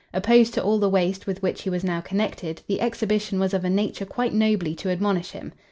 Opposed to all the waste with which he was now connected the exhibition was of a nature quite nobly to admonish him.